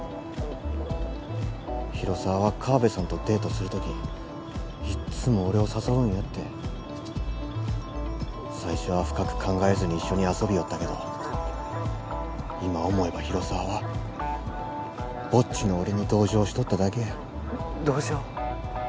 広沢はカワベさんとデートする時いっつも俺を誘うんやって最初は深く考えずに一緒に遊びよったけど今思えば広沢はぼっちの俺に同情しとっただけや同情？